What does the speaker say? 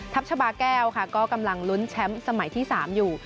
ชาบาแก้วค่ะก็กำลังลุ้นแชมป์สมัยที่๓อยู่